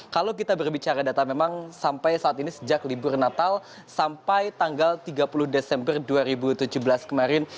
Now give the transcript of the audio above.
kalau kita berbicara data memang sampai saat ini sejak libur natal sampai tanggal tiga puluh desember dua ribu tujuh belas kemarin